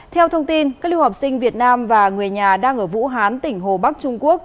theo thông tin các lưu học sinh việt nam và người nhà đang ở vũ hán tỉnh hồ bắc trung quốc